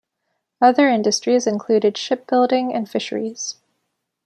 Other industries included shipbuilding and fisheries.